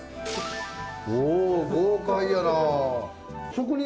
お豪快やな。